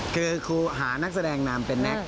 คือหานักแสดงนามเป็นแน็ก